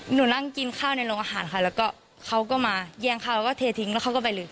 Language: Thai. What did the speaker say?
หนูนั่งกินข้าวในโรงอาหารค่ะแล้วก็เขาก็มาแย่งข้าวแล้วก็เททิ้งแล้วเขาก็ไปเลย